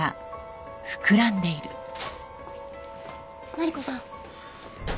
マリコさん。